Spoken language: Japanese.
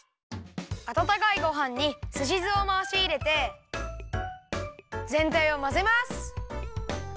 あたたかいごはんにすしずをまわしいれてぜんたいをまぜます！